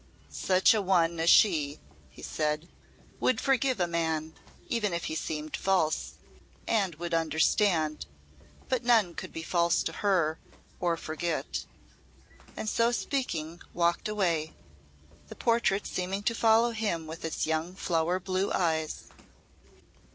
"Such an one as she," he said, "would forgive a man even if he seemed false and would understand. But none could be false to her or forget." And so speaking walked away, the portrait seeming to follow him with its young flower blue eyes.